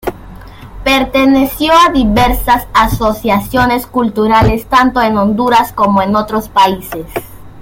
Perteneció a diversas asociaciones culturales tanto en Honduras como en otros países.